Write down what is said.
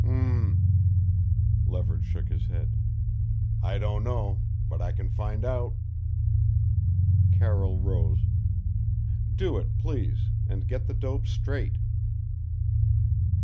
"Hm m!" Leverage shook his head. "I don't know but I can find out." Carroll rose. "Do it please. And get the dope straight."